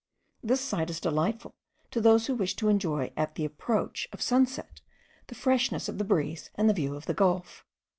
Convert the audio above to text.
This site is delightful to those who wish to enjoy at the approach of sunset the freshness of the breeze and the view of the gulf.